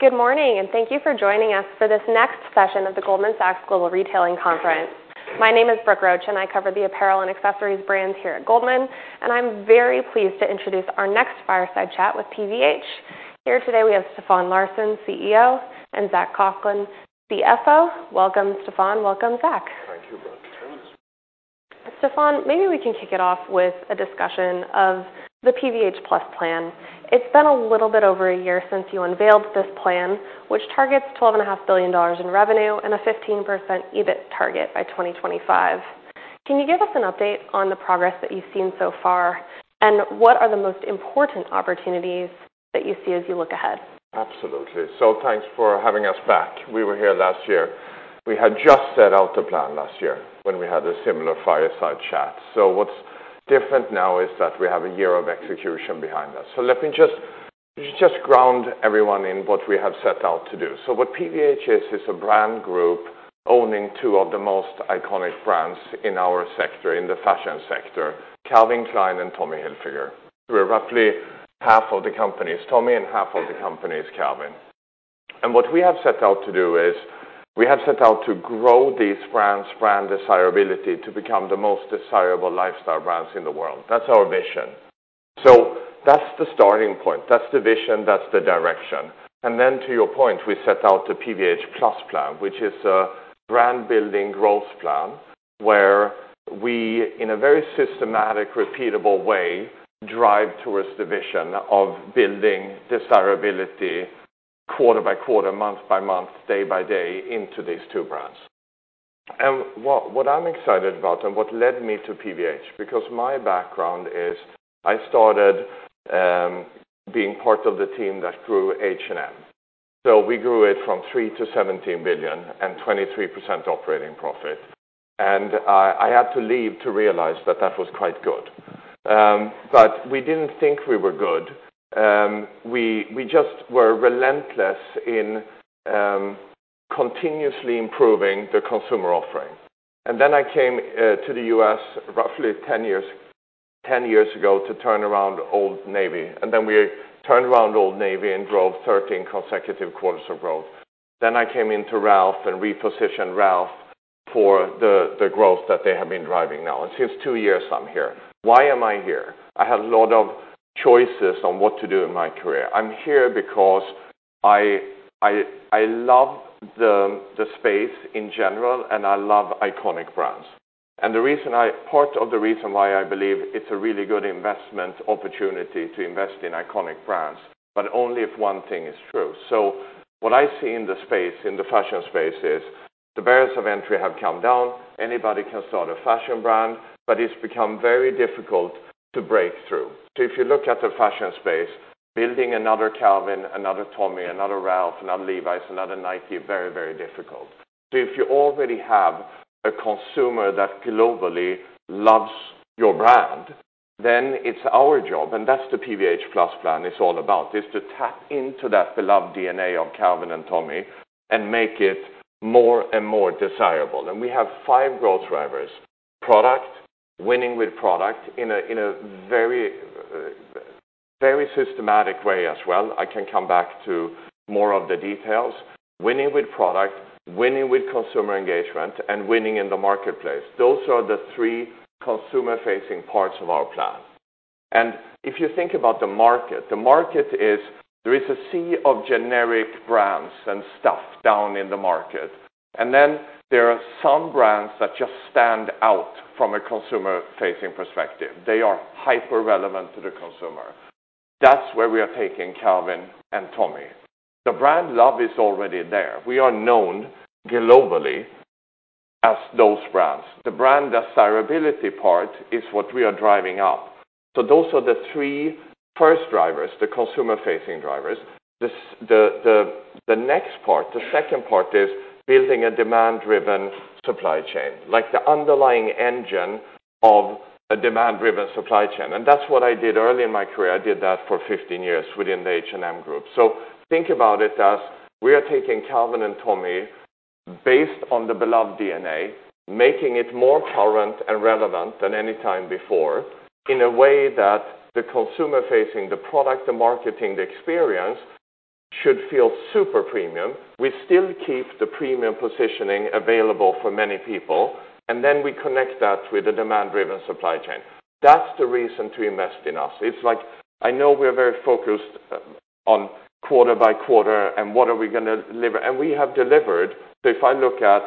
Good morning, and thank you for joining us for this next session of the Goldman Sachs Global Retailing Conference. My name is Brooke Roach, and I cover the apparel and accessories brands here at Goldman, and I'm very pleased to introduce our next fireside chat with PVH. Here today, we have Stefan Larsson, CEO, and Zac Coughlin, CFO. Welcome, Stefan. Welcome, Zac. Thank you, Brooke. Stefan, maybe we can kick it off with a discussion of the PVH+ Plan. It's been a little bit over a year since you unveiled this plan, which targets $12.5 billion in revenue and a 15% EBIT target by 2025. Can you give us an update on the progress that you've seen so far, and what are the most important opportunities that you see as you look ahead? Absolutely. Thanks for having us back. We were here last year. We had just set out the plan last year when we had a similar fireside chat. What's different now is that we have a year of execution behind us. Let me just, just ground everyone in what we have set out to do. What PVH is, is a brand group owning two of the most iconic brands in our sector, in the fashion sector, Calvin Klein and Tommy Hilfiger, where roughly half of the company is Tommy, and half of the company is Calvin. What we have set out to do is, we have set out to grow these brands, brand desirability, to become the most desirable lifestyle brands in the world. That's our vision. That's the starting point. That's the vision, that's the direction. And then, to your point, we set out the PVH+ plan, which is a brand-building growth plan, where we, in a very systematic, repeatable way, drive towards the vision of building desirability quarter by quarter, month by month, day by day, into these two brands. And what, what I'm excited about and what led me to PVH, because my background is, I started being part of the team that grew H&M. So we grew it from $3 billion-$17 billion and 23% operating profit. And I had to leave to realize that that was quite good. But we didn't think we were good. We just were relentless in continuously improving the consumer offering. And then I came to the US roughly 10 years, 10 years ago, to turn around Old Navy, and then we turned around Old Navy and drove 13 consecutive quarters of growth. Then I came into Ralph and repositioned Ralph for the growth that they have been driving now. It's just two years I'm here. Why am I here? I had a lot of choices on what to do in my career. I'm here because I love the space in general, and I love iconic brands. Part of the reason why I believe it's a really good investment opportunity to invest in iconic brands, but only if one thing is true. So what I see in the space, in the fashion space, is the barriers of entry have come down. Anybody can start a fashion brand, but it's become very difficult to break through. So if you look at the fashion space, building another Calvin, another Tommy, another Ralph, another Levi's, another Nike, very, very difficult. So if you already have a consumer that globally loves your brand, then it's our job, and that's the PVH+ Plan is all about, is to tap into that beloved DNA of Calvin and Tommy and make it more and more desirable. And we have five growth drivers: product, winning with product in a very, very systematic way as well. I can come back to more of the details. Winning with product, winning with consumer engagement, and winning in the marketplace. Those are the three consumer-facing parts of our plan. And if you think about the market, the market is... There is a sea of generic brands and stuff down in the market, and then there are some brands that just stand out from a consumer-facing perspective. They are hyper-relevant to the consumer. That's where we are taking Calvin and Tommy. The brand love is already there. We are known globally as those brands. The brand desirability part is what we are driving up. So those are the three first drivers, the consumer-facing drivers. The next part, the second part, is building a demand-driven supply chain, like the underlying engine of a demand-driven supply chain, and that's what I did early in my career. I did that for 15 years within the H&M Group. So think about it as we are taking Calvin and Tommy, based on the beloved DNA, making it more current and relevant than any time before, in a way that the consumer-facing, the product, the marketing, the experience, should feel super premium. We still keep the premium positioning available for many people, and then we connect that with a demand-driven supply chain. That's the reason to invest in us. It's like, I know we are very focused on quarter by quarter and what are we gonna deliver, and we have delivered. So if I look at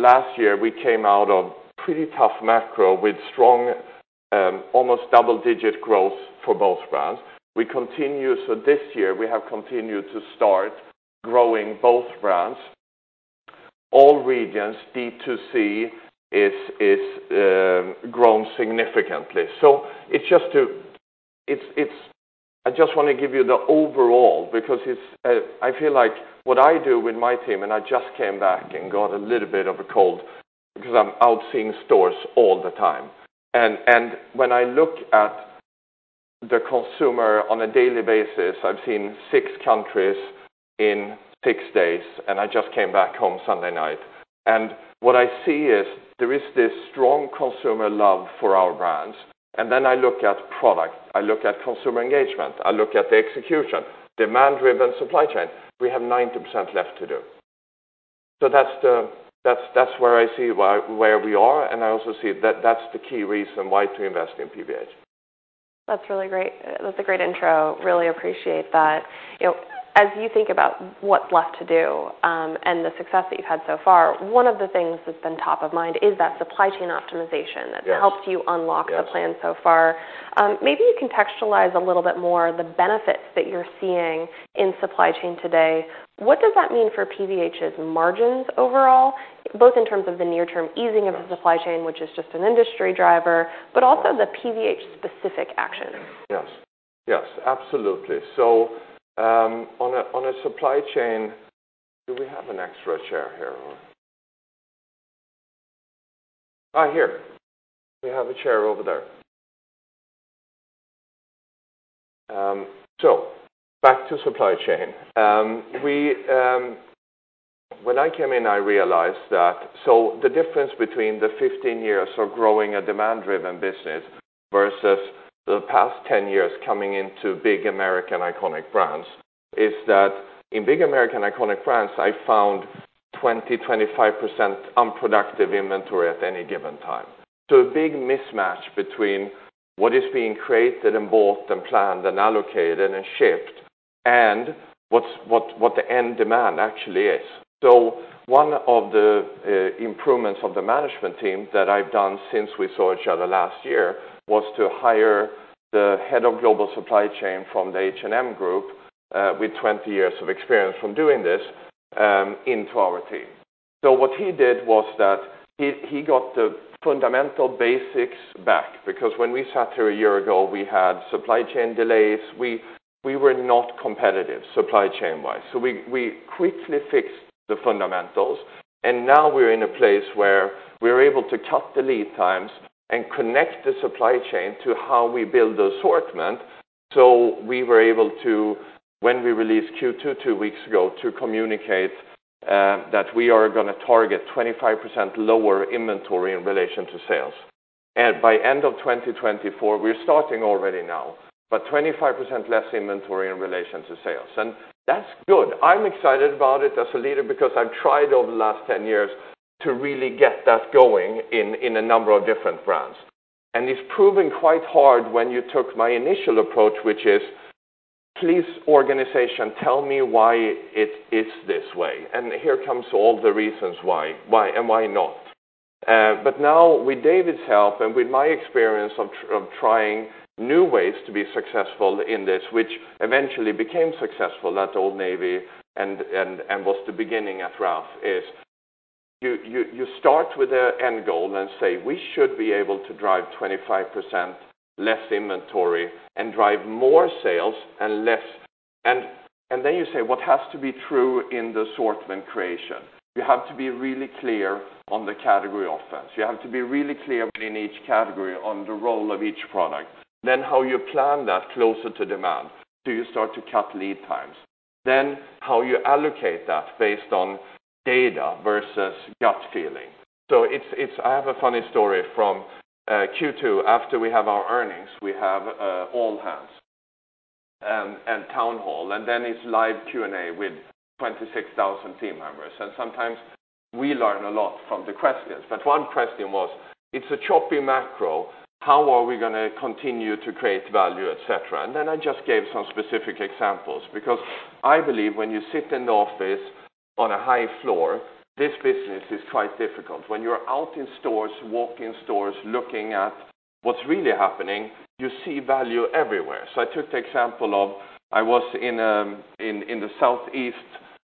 last year, we came out of pretty tough macro with strong almost double-digit growth for both brands. We continue, so this year, we have continued to start growing both brands. All regions, D2C, is grown significantly. So it's just to... It's, I just want to give you the overall, because it's, I feel like what I do with my team, and I just came back and got a little bit of a cold, because I'm out seeing stores all the time. And when I look at the consumer on a daily basis, I've seen six countries in six days, and I just came back home Sunday night. And what I see is, there is this strong consumer love for our brands. And then I look at product, I look at consumer engagement, I look at the execution, demand-driven supply chain. We have 90% left to do. So that's the, that's where I see why- where we are, and I also see that that's the key reason why to invest in PVH. That's really great. That's a great intro. Really appreciate that. You know, as you think about what's left to do, and the success that you've had so far, one of the things that's been top of mind is that supply chain optimization- Yes. -that helped you unlock the plan so far. Maybe you contextualize a little bit more, the benefits that you're seeing in supply chain today. What does that mean for PVH's margins overall, both in terms of the near-term easing of the supply chain, which is just an industry driver, but also the PVH specific action? Yes. Yes, absolutely. So, on a supply chain... Do we have an extra chair here or? Ah, here, we have a chair over there. So back to supply chain. We, when I came in, I realized that, so the difference between the 15 years of growing a demand-driven business versus the past 10 years coming into big American iconic brands, is that in big American iconic brands, I found 20-25% unproductive inventory at any given time. So a big mismatch between what is being created, and bought, and planned, and allocated, and shipped, and what's what the end demand actually is. So one of the improvements of the management team that I've done since we saw each other last year was to hire the head of global supply chain from the H&M Group with 20 years of experience from doing this into our team. So what he did was that he got the fundamental basics back, because when we sat here a year ago, we had supply chain delays. We were not competitive, supply chain-wise. So we quickly fixed the fundamentals, and now we're in a place where we're able to cut the lead times and connect the supply chain to how we build the assortment. So we were able to, when we released Q2 two weeks ago, to communicate that we are gonna target 25% lower inventory in relation to sales. By end of 2024, we're starting already now, but 25% less inventory in relation to sales, and that's good. I'm excited about it as a leader because I've tried over the last 10 years to really get that going in a number of different brands. It's proven quite hard when you took my initial approach, which is, Please, organization, tell me why it is this way, and here comes all the reasons why, why and why not? But now with David's help and with my experience of trying new ways to be successful in this, which eventually became successful at Old Navy and, and, and was the beginning at Ralph, is you, you, you start with an end goal and say: We should be able to drive 25% less inventory and drive more sales and less. And then you say, what has to be true in the assortment creation? You have to be really clear on the category offense. You have to be really clear in each category on the role of each product, then how you plan that closer to demand, so you start to cut lead times. Then, how you allocate that based on data versus gut feeling. So it's... I have a funny story from Q2. After we have our earnings, we have all hands and town hall, and then it's live Q&A with 26,000 team members, and sometimes we learn a lot from the questions. But one question was, It's a choppy macro. How are we gonna continue to create value, et cetera? And then I just gave some specific examples, because I believe when you sit in the office on a high floor, this business is quite difficult. When you're out in stores, walking stores, looking at what's really happening, you see value everywhere. So I took the example of, I was in the Southeast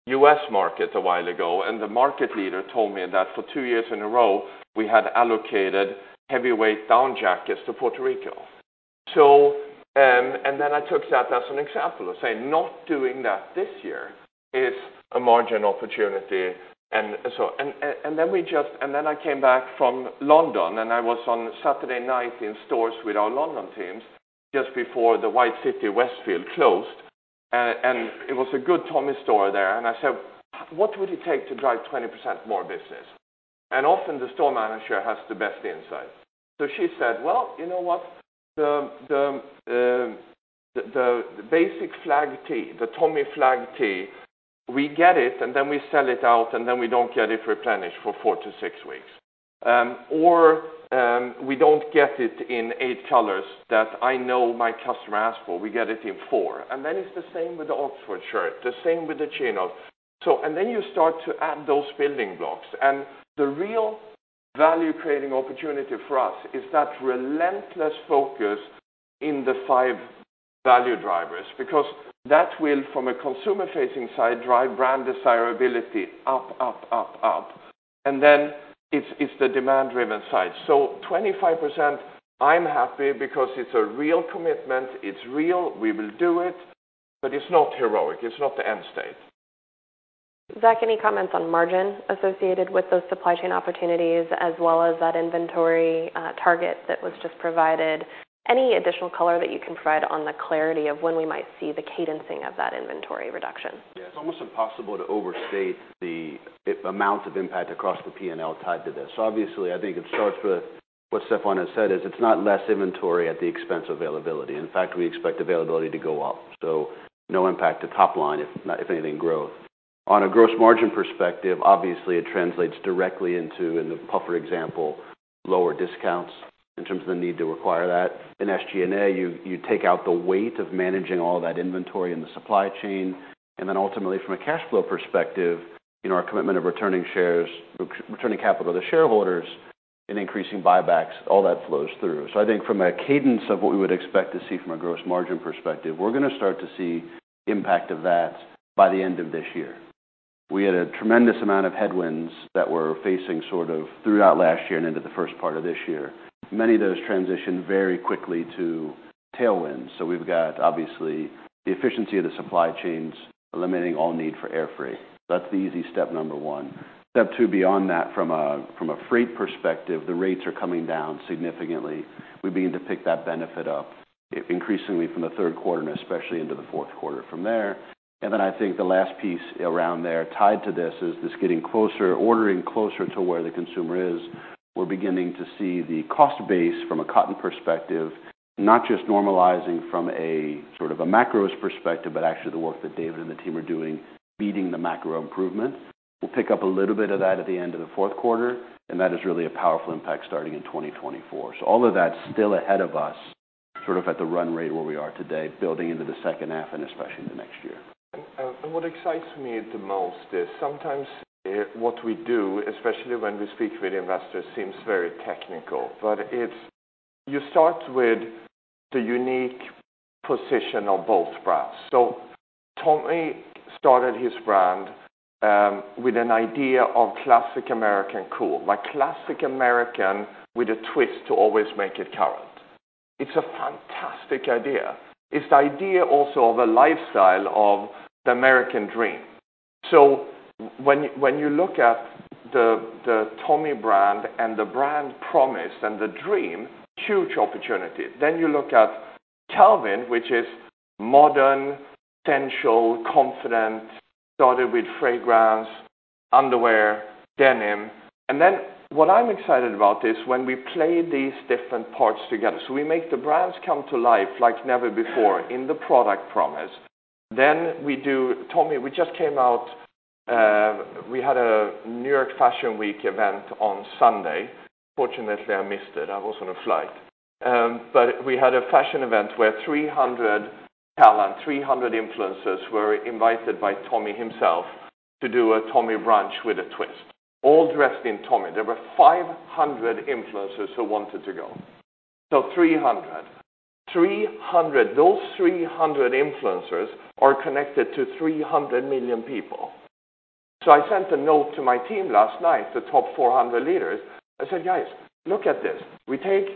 U.S. market a while ago, and the market leader told me that for two years in a row, we had allocated heavyweight down jackets to Puerto Rico. So, and then I took that as an example of saying, not doing that this year is a margin opportunity. And so, and then I came back from London, and I was on Saturday night in stores with our London teams just before the White City Westfield closed, and it was a good Tommy store there. And I said, "What would it take to drive 20% more business?" And often, the store manager has the best insight. So she said, "Well, you know what? The basic flag T, the Tommy flag T, we get it, and then we sell it out, and then we don't get it replenished for four to six weeks. Or, we don't get it in eight colors that I know my customer asks for. We get it in four. And then it's the same with the Oxford shirt, the same with the chinos." So, and then you start to add those building blocks, and the real value-creating opportunity for us is that relentless focus in the five value drivers, because that will, from a consumer-facing side, drive brand desirability up, up, up, up. And then it's, it's the demand-driven side. So 25%, I'm happy because it's a real commitment. It's real, we will do it, but it's not heroic. It's not the end state. ... Zac, any comments on margin associated with those supply chain opportunities as well as that inventory target that was just provided? Any additional color that you can provide on the clarity of when we might see the cadencing of that inventory reduction? Yeah, it's almost impossible to overstate the amount of impact across the P&L tied to this. Obviously, I think it starts with what Stefan has said, is it's not less inventory at the expense of availability. In fact, we expect availability to go up, so no impact to top line, if not, if anything, growth. On a gross margin perspective, obviously, it translates directly into, in the puffer example, lower discounts in terms of the need to require that. In SG&A, you take out the weight of managing all that inventory in the supply chain, and then ultimately, from a cash flow perspective, in our commitment of returning shares, returning capital to shareholders and increasing buybacks, all that flows through. I think from a cadence of what we would expect to see from a gross margin perspective, we're gonna start to see impact of that by the end of this year. We had a tremendous amount of headwinds that we're facing, sort of, throughout last year and into the first part of this year. Many of those transitioned very quickly to tailwinds. We've got, obviously, the efficiency of the supply chains, eliminating all need for air freight. That's the easy step number one. Step two, beyond that, from a freight perspective, the rates are coming down significantly. We begin to pick that benefit up, increasingly from the third quarter and especially into the fourth quarter from there. Then I think the last piece around there, tied to this, is this getting closer, ordering closer to where the consumer is. We're beginning to see the cost base from a cotton perspective, not just normalizing from a, sort of, a macro's perspective, but actually the work that David and the team are doing, beating the macro improvement. We'll pick up a little bit of that at the end of the fourth quarter, and that is really a powerful impact starting in 2024. So all of that's still ahead of us, sort of, at the run rate where we are today, building into the second half and especially in the next year. What excites me the most is sometimes what we do, especially when we speak with investors, seems very technical, but it's... You start with the unique position of both brands. So Tommy started his brand with an idea of classic American Cool, like classic American with a twist to always make it current. It's a fantastic idea. It's the idea also of a lifestyle, of the American dream. So when you look at the Tommy brand and the brand promise and the dream, huge opportunity. Then you look at Calvin, which is modern, sensual, confident, started with fragrance, underwear, denim. And then what I'm excited about is when we play these different parts together, so we make the brands come to life like never before in the product promise. Then we do Tommy... We just came out, we had a New York Fashion Week event on Sunday. Fortunately, I missed it. I was on a flight. But we had a fashion event where 300 talent, 300 influencers were invited by Tommy himself to do a Tommy brunch with a twist, all dressed in Tommy. There were 500 influencers who wanted to go. So 300. 300. Those 300 influencers are connected to 300 million people. So I sent a note to my team last night, the top 400 leaders. I said: "Guys, look at this. We take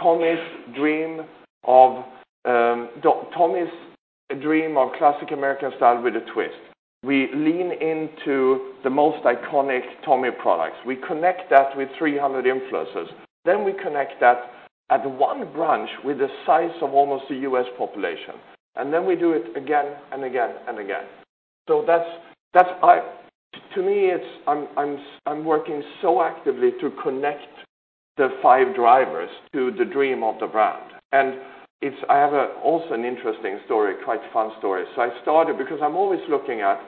Tommy's dream of Tommy's dream of classic American style with a twist. We lean into the most iconic Tommy products. We connect that with 300 influencers. Then we connect that at one brunch with the size of almost the U.S. population, and then we do it again and again and again. So that's it to me; it's. I'm working so actively to connect the five drivers to the dream of the brand. And it's. I also have an interesting story, quite fun story. So I started, because I'm always looking at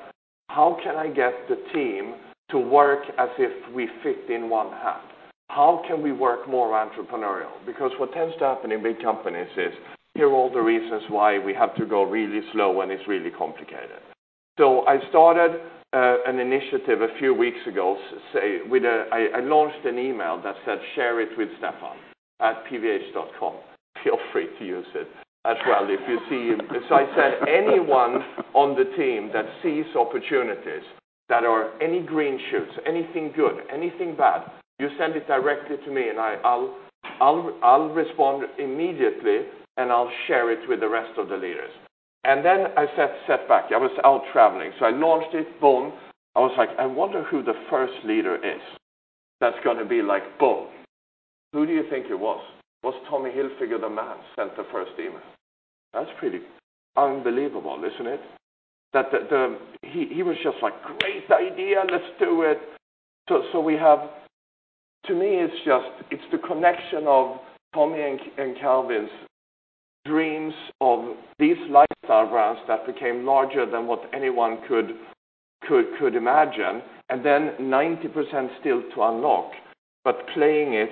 how can I get the team to work as if we fit in one hand. How can we work more entrepreneurial? Because what tends to happen in big companies is, here are all the reasons why we have to go really slow, and it's really complicated. So I started an initiative a few weeks ago, say, with a. I launched an email that said, "Share it with stefan@pvh.com." Feel free to use it as well if you see him. So I said, "Anyone on the team that sees opportunities, that are any green shoots, anything good, anything bad, you send it directly to me, and I'll respond immediately, and I'll share it with the rest of the leaders." And then I sat back. I was out traveling, so I launched it. Boom! I was like, "I wonder who the first leader is that's gonna be like, boom." Who do you think it was? It was Tommy Hilfiger, the man, sent the first email. That's pretty unbelievable, isn't it? That he was just like: "Great idea! Let's do it." So we have—to me, it's just, it's the connection of Tommy and Calvin's dreams of these lifestyle brands that became larger than what anyone could imagine, and then 90% still to unlock, but playing it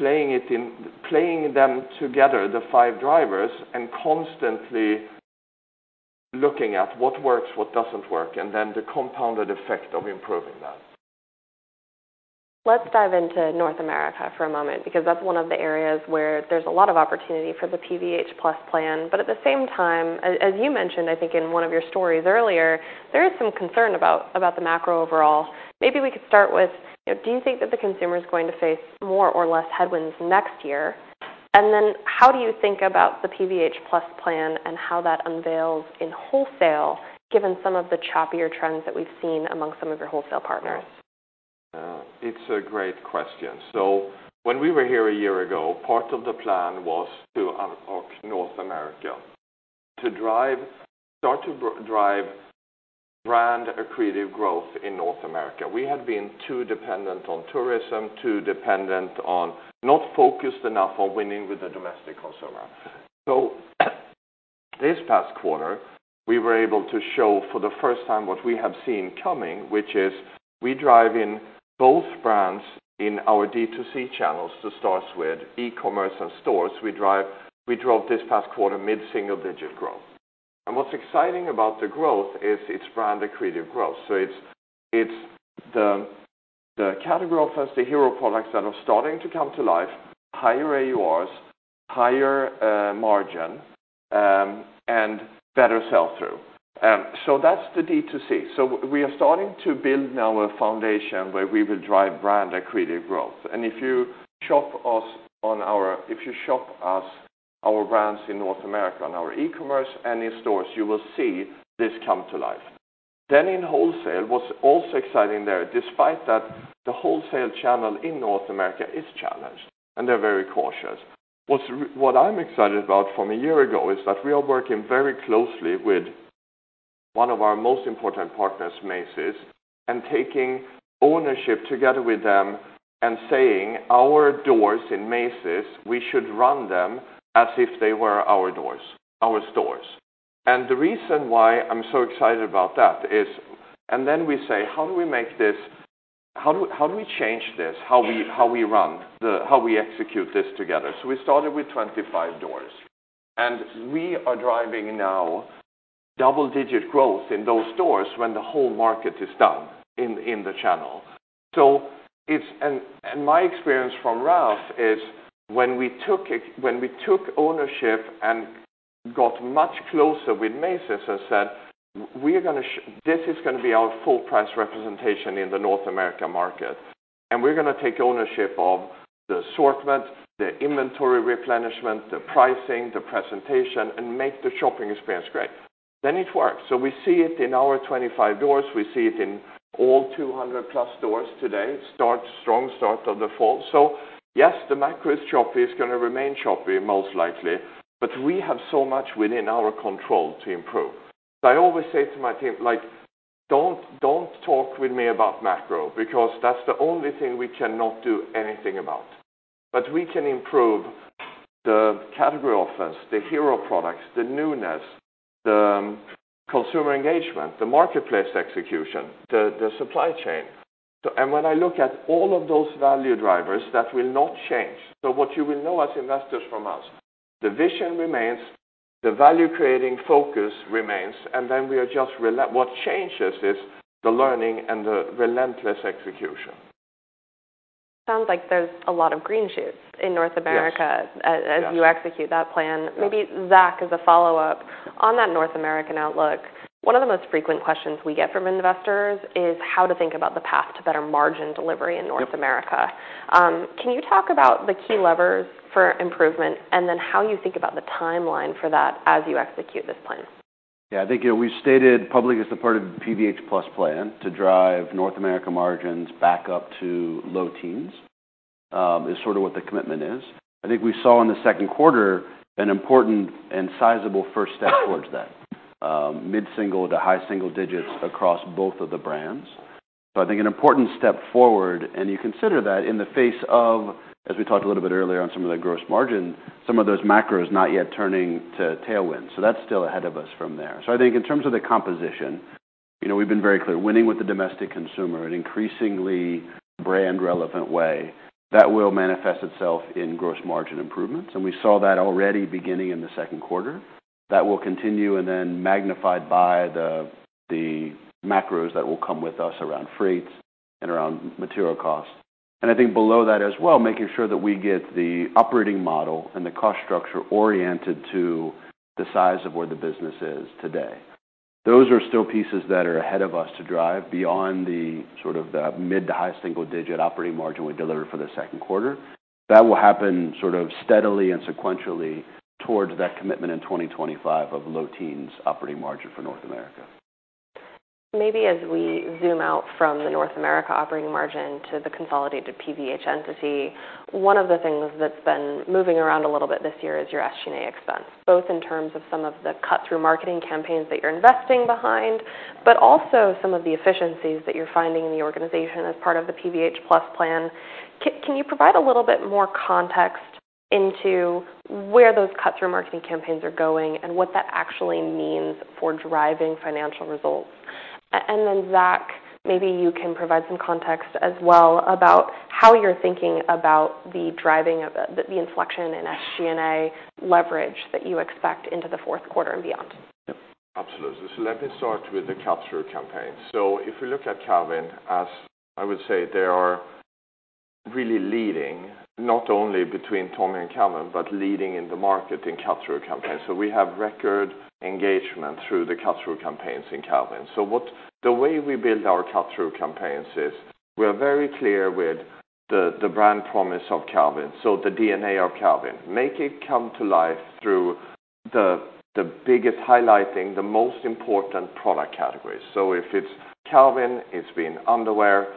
in, playing them together, the five drivers, and constantly looking at what works, what doesn't work, and then the compounded effect of improving that. Let's dive into North America for a moment, because that's one of the areas where there's a lot of opportunity for the PVH+ Plan. But at the same time, as you mentioned, I think in one of your stories earlier, there is some concern about the macro overall. Maybe we could start with, you know, do you think that the consumer is going to face more or less headwinds next year?... And then how do you think about the PVH+ Plan and how that unveils in wholesale, given some of the choppier trends that we've seen amongst some of your wholesale partners? It's a great question. So when we were here a year ago, part of the plan was to unlock North America, to drive brand accretive growth in North America. We had been too dependent on tourism, not focused enough on winning with the domestic consumer. So this past quarter, we were able to show for the first time what we have seen coming, which is we drove in both brands in our D2C channels, to start with, e-commerce and stores. We drove this past quarter mid-single-digit growth. And what's exciting about the growth is it's brand accretive growth. So it's the category offense, the hero products that are starting to come to life, higher AURs, higher margin, and better sell-through. So that's the D2C. So we are starting to build now a foundation where we will drive brand accretive growth. And if you shop us, our brands in North America, on our e-commerce and in stores, you will see this come to life. Then in wholesale, what's also exciting there, despite that the wholesale channel in North America is challenged, and they're very cautious. What I'm excited about from a year ago is that we are working very closely with one of our most important partners, Macy's, and taking ownership together with them and saying, our doors in Macy's, we should run them as if they were our doors, our stores. And the reason why I'm so excited about that is... Then we say: How do we make this? How do we change this, how we run the, how we execute this together? So we started with 25 doors, and we are driving now double-digit growth in those stores when the whole market is down in the channel. So it's, and my experience from Ralph is when we took ownership and got much closer with Macy's and said, "We're gonna, this is gonna be our full price representation in the North America market, and we're gonna take ownership of the assortment, the inventory replenishment, the pricing, the presentation, and make the shopping experience great," then it works. So we see it in our 25 doors, we see it in all 200+ stores today. Strong start of the fall. So yes, the macro is choppy, is gonna remain choppy, most likely, but we have so much within our control to improve. I always say to my team, like, "Don't, don't talk with me about macro, because that's the only thing we cannot do anything about. But we can improve the category offense, the hero products, the newness, the consumer engagement, the marketplace execution, the supply chain." So and when I look at all of those value drivers, that will not change. So what you will know as investors from us, the vision remains, the value-creating focus remains, and then we are just what changes is the learning and the relentless execution. Sounds like there's a lot of green shoots in North America- Yes. as you execute that plan. Yes. Maybe, Zac, as a follow-up, on that North American outlook, one of the most frequent questions we get from investors is how to think about the path to better margin delivery in North America. Yep. Can you talk about the key levers for improvement, and then how you think about the timeline for that as you execute this plan? Yeah, I think, you know, we've stated publicly as a part of the PVH+ Plan to drive North America margins back up to low teens is sort of what the commitment is. I think we saw in the second quarter an important and sizable first step towards that, mid-single to high single digits across both of the brands. So I think an important step forward, and you consider that in the face of, as we talked a little bit earlier on some of the gross margin, some of those macros not yet turning to tailwind. So that's still ahead of us from there. So I think in terms of the composition, you know, we've been very clear, winning with the domestic consumer, an increasingly brand-relevant way, that will manifest itself in gross margin improvements, and we saw that already beginning in the second quarter. That will continue, and then magnified by the macros that will come with us around freights and around material costs. And I think below that as well, making sure that we get the operating model and the cost structure oriented to the size of where the business is today. Those are still pieces that are ahead of us to drive beyond the, sort of, the mid- to high-single-digit operating margin we delivered for the second quarter. That will happen sort of steadily and sequentially towards that commitment in 2025 of low-teens operating margin for North America. Maybe as we zoom out from the North America operating margin to the consolidated PVH entity, one of the things that's been moving around a little bit this year is your SG&A expense, both in terms of some of the cut-through marketing campaigns that you're investing behind, but also some of the efficiencies that you're finding in the organization as part of the PVH+ Plan. Can you provide a little bit more context into where those cut-through marketing campaigns are going and what that actually means for driving financial results? And then, Zac, maybe you can provide some context as well about how you're thinking about the driving of the inflection in SG&A leverage that you expect into the fourth quarter and beyond. Yep. Absolutely. So let me start with the cut-through campaign. So if we look at Calvin, as I would say, they are really leading, not only between Tommy and Calvin, but leading in the market in cut-through campaigns. So we have record engagement through the cut-through campaigns in Calvin. So the way we build our cut-through campaigns is, we are very clear with the brand promise of Calvin. So the DNA of Calvin, make it come to life through the biggest highlighting, the most important product categories. So if it's Calvin, it's been underwear,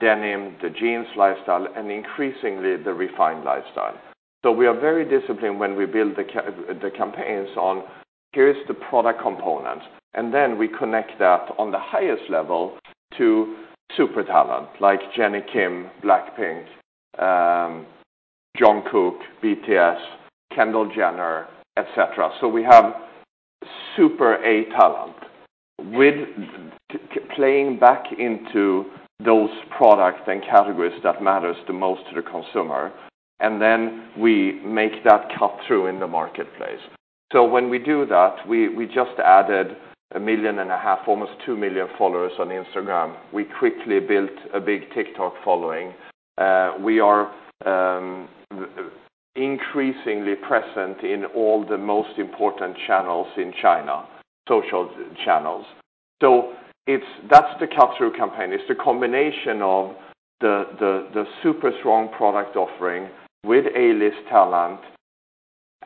denim, the jeans lifestyle, and increasingly, the refined lifestyle. So we are very disciplined when we build the campaigns on, here is the product component, and then we connect that on the highest level to super talent, like Jennie Kim, BLACKPINK, Jungkook, BTS, Kendall Jenner, et cetera. So we have super A talent with, playing back into those products and categories that matters the most to the consumer, and then we make that cut through in the marketplace. So when we do that, we just added 1.5 million, almost two million followers on Instagram. We quickly built a big TikTok following. We are increasingly present in all the most important channels in China, social channels. So it's—that's the cut-through campaign. It's the combination of the super strong product offering with A-list talent,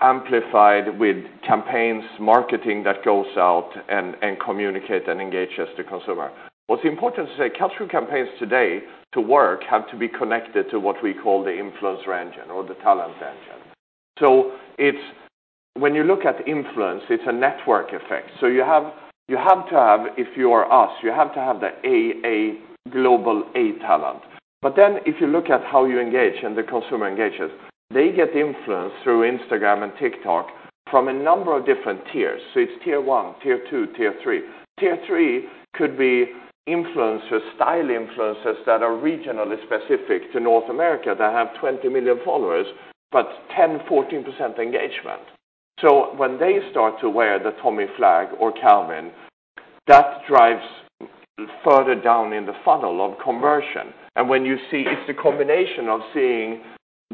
amplified with campaigns, marketing that goes out and communicate and engages the consumer. What's important to say, cut-through campaigns today, to work, have to be connected to what we call the influencer engine or the talent engine. So it's... When you look at influence, it's a network effect. So you have to have, if you are us, you have to have the A, A, global A talent. But then, if you look at how you engage and the consumer engages, they get influence through Instagram and TikTok from a number of different tiers. So it's tier 1, tier 2, tier 3. Tier three could be influencers, style influencers, that are regionally specific to North America, that have 20 million followers, but 10%-14% engagement. So when they start to wear the Tommy flag or Calvin, that drives further down in the funnel of conversion. And when you see, it's a combination of seeing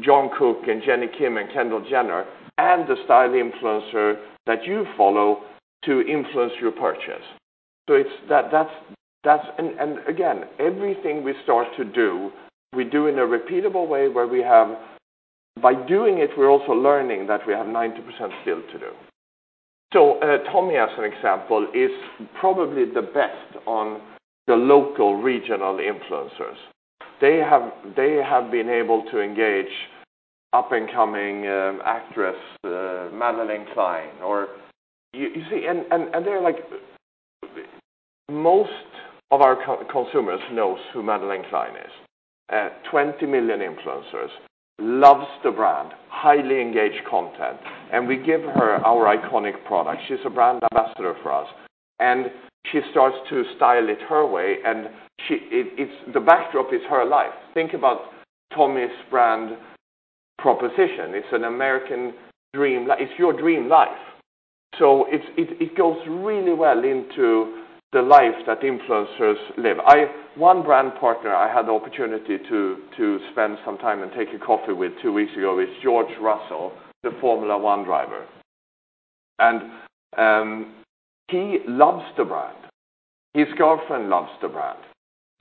Jungkook and Jennie Kim and Kendall Jenner, and the style influencer that you follow to influence your purchase. So it's that, and again, everything we start to do, we do in a repeatable way, where we have... By doing it, we're also learning that we have 90% still to do. So, Tommy, as an example, is probably the best on the local, regional influencers. They have been able to engage up-and-coming actress Madelyn Cline. You see, and they're like, most of our core consumers knows who Madelyn Cline is. 20 million influencers loves the brand, highly engaged content, and we give her our iconic product. She's a brand ambassador for us, and she starts to style it her way, and it's the backdrop is her life. Think about Tommy's brand proposition. It's an American dreamli- it's your dream life. So it goes really well into the life that influencers live. One brand partner I had the opportunity to spend some time and take a coffee with two weeks ago is George Russell, the Formula One driver, and he loves the brand. His girlfriend loves the brand.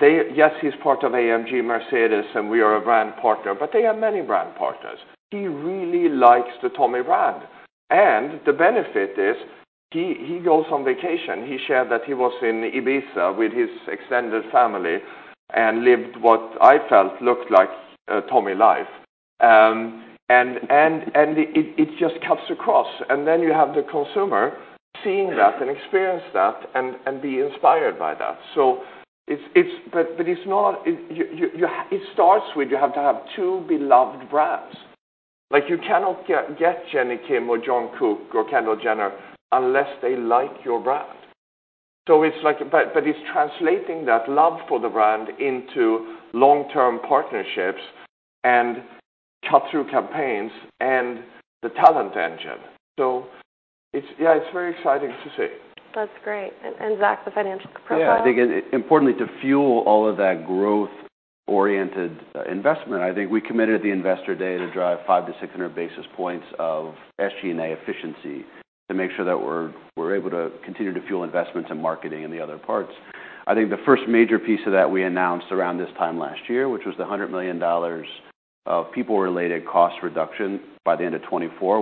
Yes, he's part of Mercedes-AMG, and we are a brand partner, but they have many brand partners. He really likes the Tommy brand, and the benefit is, he goes on vacation. He shared that he was in Ibiza with his extended family and lived what I felt looked like a Tommy life. And it just cuts across, and then you have the consumer seeing that and experience that and be inspired by that. So it's, but it's not, it starts with, you have to have two beloved brands. Like, you cannot get, get Jennie Kim or Jungkook or Kendall Jenner unless they like your brand. So it's like, but, but it's translating that love for the brand into long-term partnerships and cut-through campaigns and the talent engine. So it's, yeah, it's very exciting to see. That's great. And Zac, the financial profile? Yeah, I think, importantly, to fuel all of that growth-oriented investment, I think we committed at the Investor Day to drive 500-600 basis points of SG&A efficiency to make sure that we're able to continue to fuel investments in marketing and the other parts. I think the first major piece of that we announced around this time last year, which was the $100 million of people-related cost reduction by the end of 2024.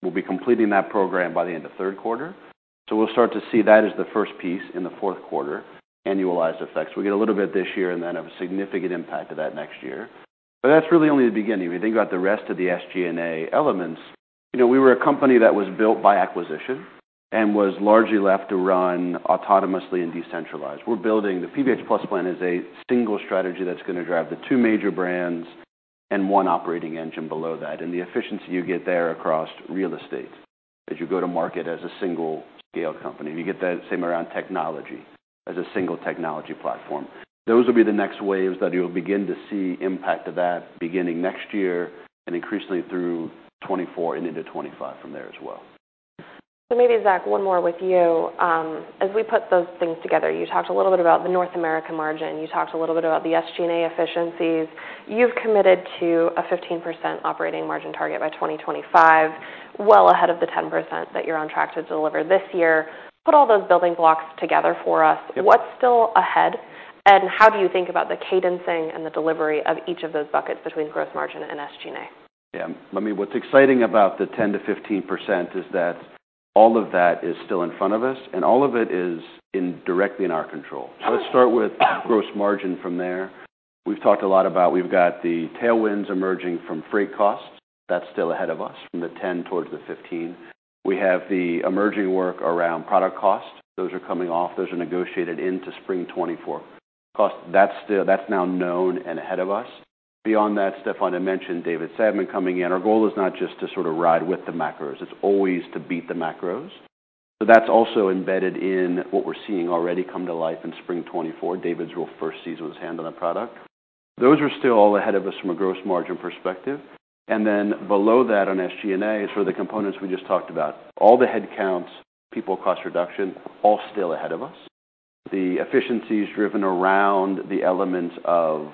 We'll be completing that program by the end of third quarter, so we'll start to see that as the first piece in the fourth quarter, annualized effects. We'll get a little bit this year, and then have a significant impact of that next year. But that's really only the beginning. If you think about the rest of the SG&A elements, you know, we were a company that was built by acquisition and was largely left to run autonomously and decentralized. We're building... The PVH+ Plan is a single strategy that's gonna drive the two major brands and one operating engine below that, and the efficiency you get there across real estate, as you go to market as a single-scale company. You get the same around technology, as a single technology platform. Those will be the next waves that you'll begin to see impact of that beginning next year and increasingly through 2024 and into 2025 from there as well.... So maybe, Zac, one more with you. As we put those things together, you talked a little bit about the North America margin, you talked a little bit about the SG&A efficiencies. You've committed to a 15% operating margin target by 2025, well ahead of the 10% that you're on track to deliver this year. Put all those building blocks together for us. What's still ahead, and how do you think about the cadencing and the delivery of each of those buckets between gross margin and SG&A? Yeah. I mean, what's exciting about the 10%-15% is that all of that is still in front of us, and all of it is in, directly in our control. So let's start with gross margin from there. We've talked a lot about, we've got the tailwinds emerging from freight costs. That's still ahead of us, from the 10% towards the 15%. We have the emerging work around product costs. Those are coming off. Those are negotiated into spring 2024. Plus, that's still-- That's now known and ahead of us. Beyond that, Stefan had mentioned David Savman coming in. Our goal is not just to sort of ride with the macros, it's always to beat the macros. So that's also embedded in what we're seeing already come to life in spring 2024. David's real first season with his hand on the product. Those are still all ahead of us from a gross margin perspective. And then below that, on SG&A, so the components we just talked about. All the headcounts, people, cost reduction, all still ahead of us. The efficiencies driven around the elements of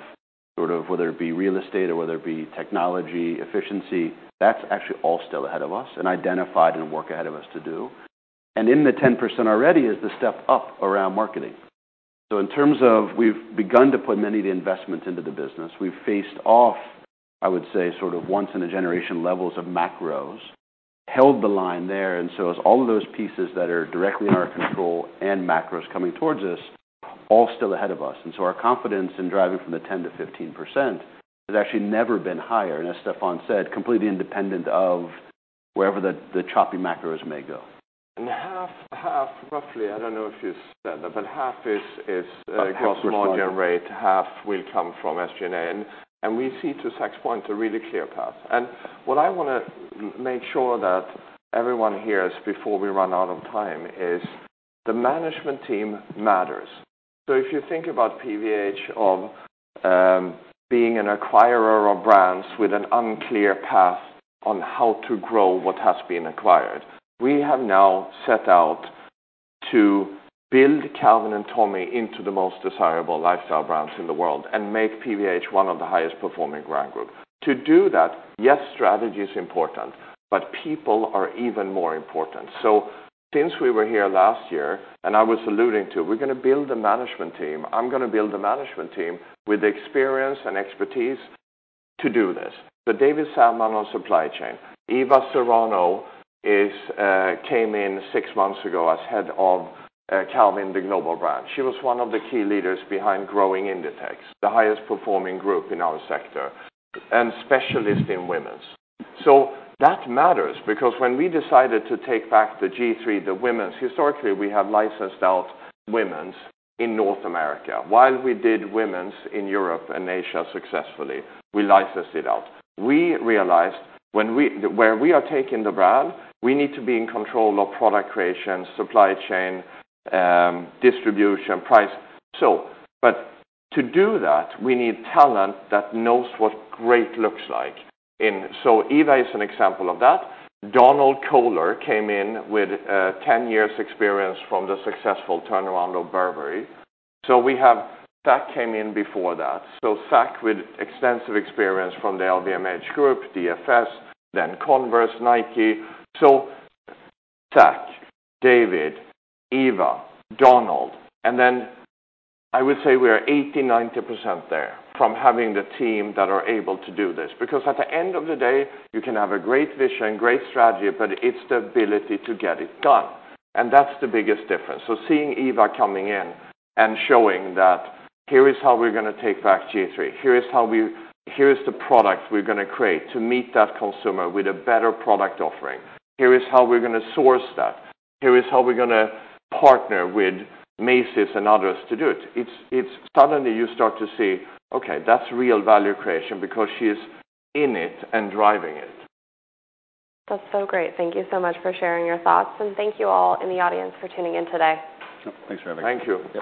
sort of, whether it be real estate or whether it be technology efficiency, that's actually all still ahead of us, and identified and work ahead of us to do. And in the 10% already is the step up around marketing. So in terms of we've begun to put many of the investments into the business, we've faced off, I would say, sort of once in a generation, levels of macros, held the line there. And so as all of those pieces that are directly in our control and macros coming towards us, all still ahead of us. And so our confidence in driving from the 10%-15% has actually never been higher. And as Stefan said, completely independent of wherever the choppy macros may go. Half, roughly, I don't know if you said that, but half is gross margin- Gross margin. Rate, half will come from SG&A. And we see, to Zac's point, a really clear path. And what I wanna make sure that everyone hears before we run out of time, is the management team matters. So if you think about PVH of being an acquirer of brands with an unclear path on how to grow what has been acquired, we have now set out to build Calvin and Tommy into the most desirable lifestyle brands in the world, and make PVH one of the highest performing brand group. To do that, yes, strategy is important, but people are even more important. So since we were here last year, and I was alluding to, we're gonna build a management team. I'm gonna build a management team with the experience and expertise to do this. So David Savman on supply chain. Eva Serrano came in six months ago as head of Calvin, the global brand. She was one of the key leaders behind growing Inditex, the highest performing group in our sector, and specialist in women's. That matters, because when we decided to take back the G-III, the women's. Historically, we have licensed out women's in North America. While we did women's in Europe and Asia successfully, we licensed it out. We realized where we are taking the brand, we need to be in control of product creation, supply chain, distribution, price. But to do that, we need talent that knows what great looks like in. So Eva is an example of that. Donald Kohler came in with 10 years experience from the successful turnaround of Burberry. So we have Zac came in before that. So Zac, with extensive experience from the LVMH group, DFS, then Converse, Nike. So Zac, David, Eva, Donald, and then I would say we are 80%-90% there from having the team that are able to do this. Because at the end of the day, you can have a great vision, great strategy, but it's the ability to get it done, and that's the biggest difference. So seeing Eva coming in and showing that: Here is how we're gonna take back G-III, here is how we-- Here is the product we're gonna create to meet that consumer with a better product offering. Here is how we're gonna source that, here is how we're gonna partner with Macy's and others to do it. It's, it's-- Suddenly you start to see, okay, that's real value creation, because she is in it and driving it. That's so great. Thank you so much for sharing your thoughts. Thank you all in the audience for tuning in today. Thanks for having us. Thank you.